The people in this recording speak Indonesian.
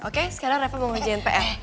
oke sekarang reva mau menginjain pr